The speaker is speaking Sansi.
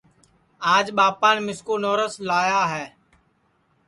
آج ٻاپان مِسکُو نورس لایا ہے